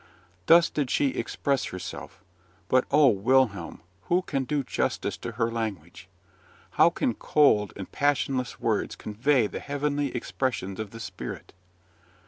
'" Thus did she express herself; but O Wilhelm! who can do justice to her language? how can cold and passionless words convey the heavenly expressions of the spirit?